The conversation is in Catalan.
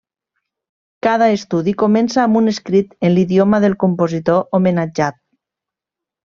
Cada estudi comença amb un escrit en l'idioma del compositor homenatjat.